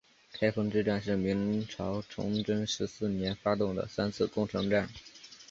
开封之战是明朝崇祯十四年发动的三次攻城战。